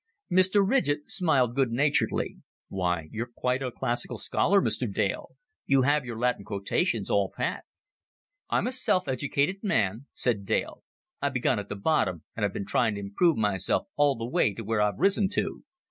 Mr. Ridgett smiled good naturedly. "Why, you're quite a classical scholar, Mr. Dale. You have your Latin quotations all pat." "I'm a self educated man," said Dale. "I begun at the bottom, and I've been trying to improve myself all the way to where I've risen to."